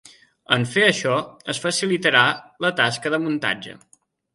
En fer això es facilitarà la tasca de muntatge.